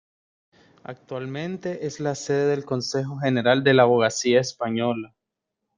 Actualmente es la sede del Consejo General de la Abogacía Española.